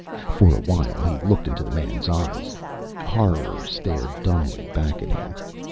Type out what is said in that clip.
For a while he looked into the man's eyes. Horror stared dumbly back at him.